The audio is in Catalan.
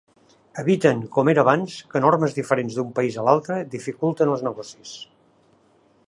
Eviten, com era abans, que normes diferents d'un país a l'altre dificulten els negocis.